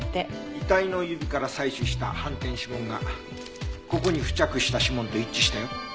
遺体の指から採取した反転指紋がここに付着した指紋と一致したよ。